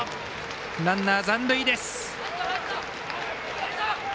ランナー残塁です。